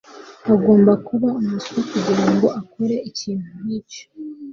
Agomba kuba umuswa kugirango akore ikintu nkicyo.